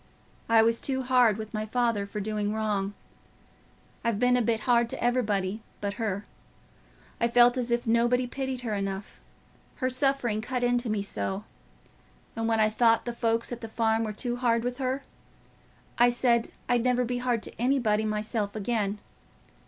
I was too hard with my father, for doing wrong. I've been a bit hard t' everybody but her. I felt as if nobody pitied her enough—her suffering cut into me so; and when I thought the folks at the farm were too hard with her, I said I'd never be hard to anybody myself again.